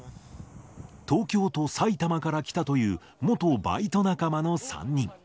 東京と埼玉から来たという、元バイト仲間の３人。